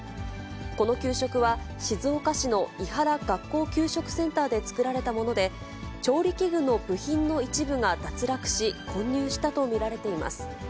この給食は、静岡市の庵原学校給食センターで作られたもので、調理器具の部品の一部が脱落し、混入したと見られています。